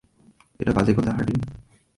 এটা বাজে কথা, হার্ডিন।